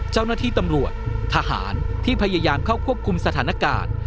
เจ้าหน้าที่ตำรวจทหารที่พยายามเข้าควบคุมสถานการณ์